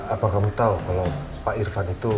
apa kamu tahu kalau pak irfan itu